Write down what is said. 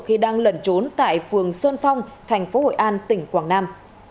khi đang lẩn trốn tại phường xuân phong thành phố hội an tỉnh quảng nam